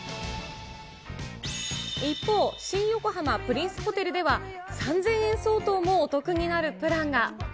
一方、新横浜プリンスホテルでは、３０００円相当もお得になるプランが。